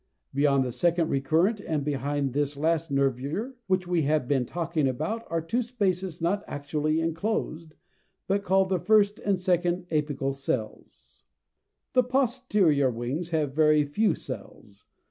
Beyond the second recurrent, and behind this last nervure which we have been talking about, are two spaces not actually enclosed, but called the first (J) and second (K) apical cells. The posterior wings have very few cells.